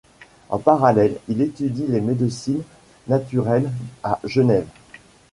En parallèle, il étudie les médecines naturelles à Genève.